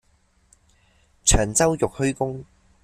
長洲玉虛宮